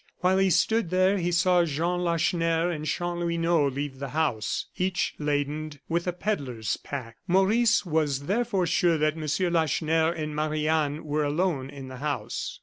While he stood there, he saw Jean Lacheneur and Chanlouineau leave the house, each laden with a pedler's pack. Maurice was therefore sure that M. Lacheneur and Marie Anne were alone in the house.